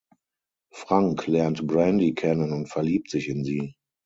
Frank lernt Brandy kennen und verliebt sich in sie.